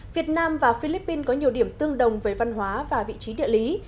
việt nam và philippines có nhiều điểm tương đồng về văn hóa và vị trí địa lý